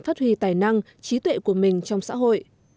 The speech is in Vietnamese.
phát huy tài năng trí tuệ của mình trong xã hội